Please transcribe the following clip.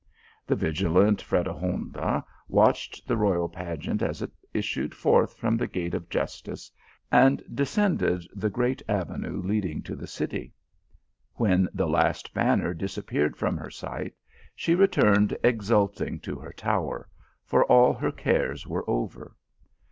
The vigilant Fredegonda watched the royal pageant as it issued forth from the gate of Justice, and de scended the great avenue leading to the city. When the last banner disappeared from her sight, she re turned exulting to her tower, for all her cares were over.